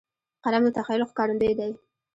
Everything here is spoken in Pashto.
قلم د تخیل ښکارندوی دی